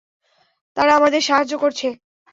তারা আমাদের সাহায্য করছে।